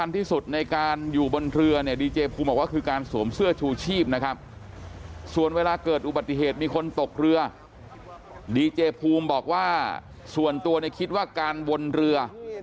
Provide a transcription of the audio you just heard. ตกเรือดีเจภูมิบอกว่าส่วนตัวในคิดว่าการวนเรือ